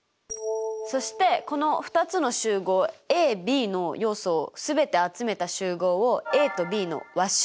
そしてこの２つの集合ＡＢの要素を全て集めた集合をＡとＢの和集合といいますよ。